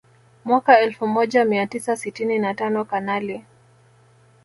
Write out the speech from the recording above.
Mwaka elfu moja mia tisa sitini na tano Kanali